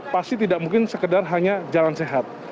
pasti tidak mungkin sekedar hanya jalan sehat